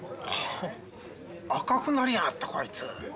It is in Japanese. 赤くなりやがったこいつ。